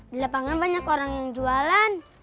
di lapangan banyak orang yang jualan